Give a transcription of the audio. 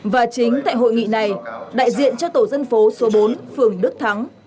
và chính tại hội nghị này đại diện cho tổ dân phố số bốn phường đức thắng